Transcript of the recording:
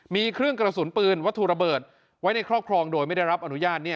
มีเครื่องกระสุนปืนวัตถุระเบิดไว้ในครอบครองโดยไม่ได้รับอนุญาต